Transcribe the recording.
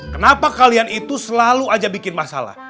kenapa kalian itu selalu aja bikin masalah